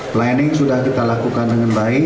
planning sudah kita lakukan dengan baik